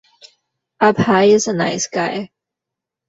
Abhay is a nice guy.